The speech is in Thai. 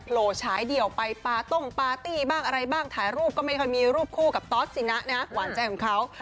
โผล่ฉายเดี่ยวไปปาต้งปาร์ตี้บ้างอะไรบ้างถ่ายรูปก็ไม่ค่อยมีรูปคู่กับตอสสินะนะหวานใจของเขา